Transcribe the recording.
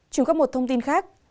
chúng có một thông tin khác